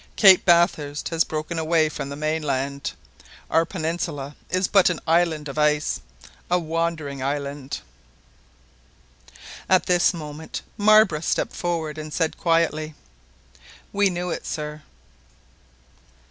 Cape Bathurst has broken away from the mainland. Our peninsula is but an island of ice, a wandering island"—— At this moment Marbre stepped forward, and said quietly. "We knew it, sir!"